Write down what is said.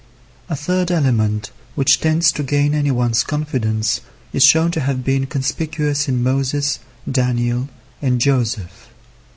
A third element which tends to gain any one's confidence is shown to have been conspicuous in Moses, Daniel, and Joseph.